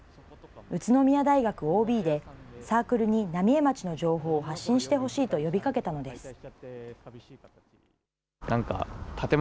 宇都宮大学ＯＢで、サークルに浪江町の情報を発信してほしいと呼びかけたのです。